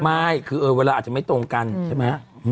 ไม่คือเวลาอาจจะไม่ตรงกันใช่ไหม